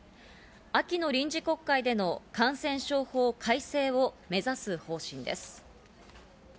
秋の臨時国会での感染症法改正を目指す方針です。